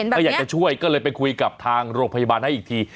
ถ้าอยากจะช่วยก็เลยไปคุยกับทางโรงพยาบาลให้อีกที